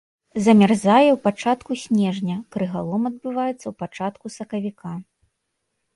Замярзае ў пачатку снежня, крыгалом адбываецца ў пачатку сакавіка.